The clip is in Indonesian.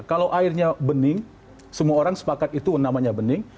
kalau airnya bening semua orang sepakat itu namanya bening